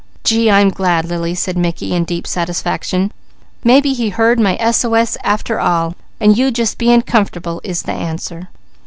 "Gee, I'm glad, Lily," said Mickey in deep satisfaction. "Maybe He heard my S.O.S. after all, and you just being comfortable is the answer."